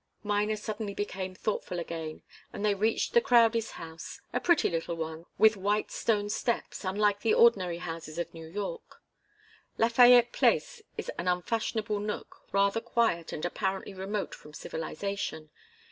Miner suddenly became thoughtful again, and they reached the Crowdies' house, a pretty little one, with white stone steps, unlike the ordinary houses of New York. Lafayette Place is an unfashionable nook, rather quiet and apparently remote from civilization.